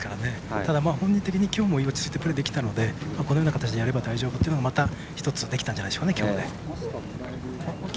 ただ、本人的にきょうも落ち着いてプレーできていたのでこのようにやれば大丈夫というのはまた１つできたんじゃないでしょうか。